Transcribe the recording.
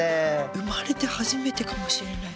生まれて初めてかもしれない。